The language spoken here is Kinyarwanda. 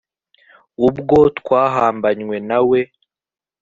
ubwo twahambanywe na we